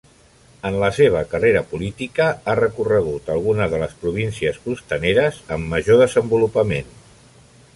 En la seva carrera política ha recorregut algunes de les províncies costaneres amb major desenvolupament.